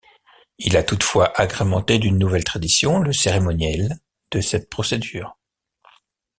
Il a toutefois agrémenté d'une nouvelle tradition le cérémoniel de cette procédure.